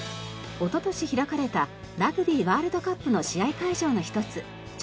おととし開かれたラグビーワールドカップの試合会場の一つ調布市。